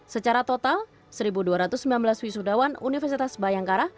secara total satu dua ratus sembilan belas wisudawan universitas bayangkara